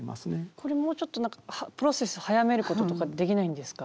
これもうちょっと何かプロセス早めることとかできないんですか？